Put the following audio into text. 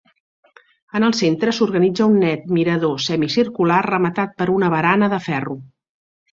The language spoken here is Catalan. En el centre organitza un net mirador semicircular rematat per una barana de ferro.